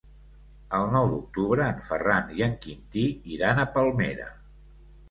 El nou d'octubre en Ferran i en Quintí iran a Palmera.